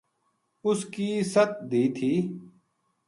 اُ س کی ست دھی تھی